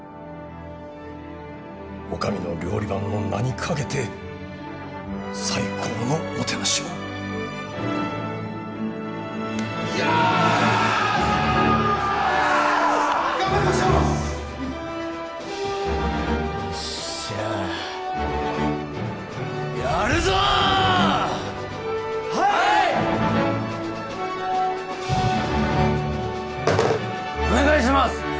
お上の料理番の名にかけて最高のもてなしを頑張りましょうおっしゃあやるぞ！はいお願いします